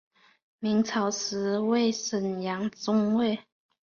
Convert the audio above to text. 明朝时为沈阳中卫。